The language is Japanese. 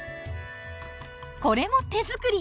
これも手作り！